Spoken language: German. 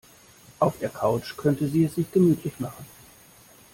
Auf der Couch könnte sie es sich gemütlich machen.